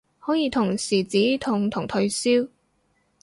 可以同時止痛同退燒